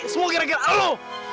semua gara gara lu